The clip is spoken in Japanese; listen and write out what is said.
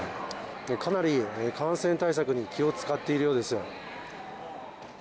かなり感染対策に気を遣っているようです。